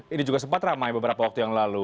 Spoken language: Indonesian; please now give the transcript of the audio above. ini juga sempat ramai beberapa waktu yang lalu